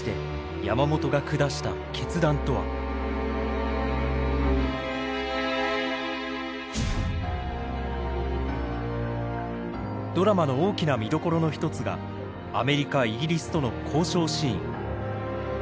果たしてドラマの大きな見どころの一つがアメリカイギリスとの交渉シーン。